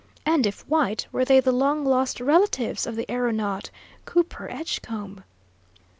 And, if white, were they the long lost relatives of the aeronaut, Cooper Edgecombe?